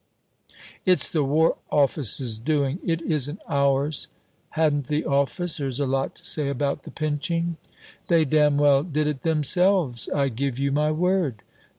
"It's the War Office's doing, it isn't ours." "Hadn't the officers a lot to say about the pinching?" "They damn well did it themselves, I give you my word!